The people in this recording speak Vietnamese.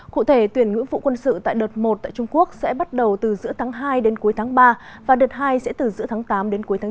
cụ thể tuyển nghĩa vụ quân sự tại đợt một tại trung quốc sẽ bắt đầu từ giữa tháng hai đến cuối tháng ba và đợt hai sẽ từ giữa tháng tám đến cuối tháng chín